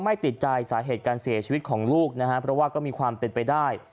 ไม่ติดใจสาเหตุการเสียชีวิตของลูกนะฮะเพราะว่าก็มีความเป็นไปได้